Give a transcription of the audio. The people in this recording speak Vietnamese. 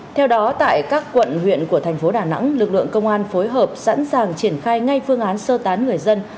theo đó tại các quận huyện của thành phố đà nẵng lực lượng công an phối hợp sẵn sàng triển khai ngay phương án sơ tán người dân